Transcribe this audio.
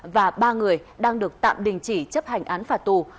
và ba người đang được tạm đình chỉ chấp hành án phạt tù